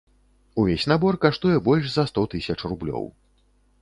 Увесь набор каштуе больш за сто тысяч рублёў.